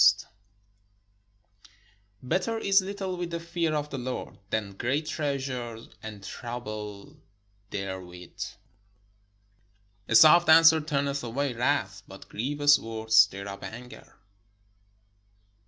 568 THE STORY OF KING SOLOMON Better is little with the fear of the Lord, than great treasure and trouble therewith. A soft answer turneth away wrath : but grievous words stir up anger.